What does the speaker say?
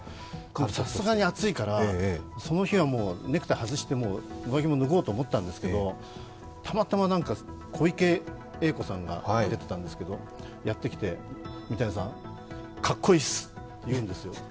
さすがに暑いからその日はネクタイを外して、上着も脱ごうと思ったんですけどたまたま小池栄子さんが出てたんですけど、やってきて三谷さん、かっこいいっすって言うんですよ。